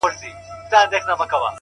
زما په لاس كي هتكړۍ داخو دلې ويـنـمـه،